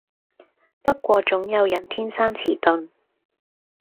不過總有人天生遲鈍